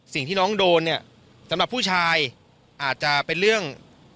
สิ่งที่น้องโดนเนี่ยสำหรับผู้ชายอาจจะเป็นเรื่อง